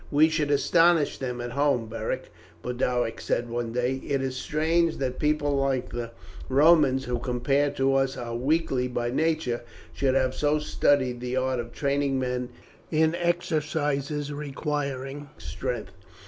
"We should astonish them at home, Beric," Boduoc said one day. "It is strange that people like the Romans, who compared to us are weakly by nature, should have so studied the art of training men in exercises requiring strength.